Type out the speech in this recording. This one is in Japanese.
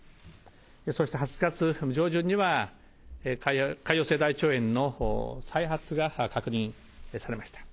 そして８月上旬には、潰瘍性大腸炎の再発が確認されました。